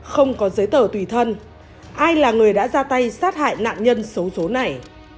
không có giấy tờ tùy thân ai là người đã ra tay sát hại nạn nhân xấu xố này